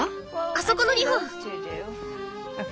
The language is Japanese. あそこの２本。